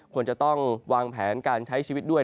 ควรจะต้องวางแผนการใช้ชีวิตด้วย